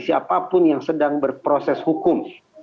siapapun yang sedang berproses hukum